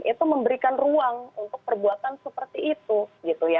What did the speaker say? itu memberikan ruang untuk perbuatan seperti itu gitu ya